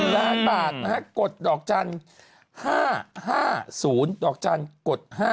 ล้านบาทนะฮะกดดอกจันทร์๕๕๐ดอกจันทร์กด๕๐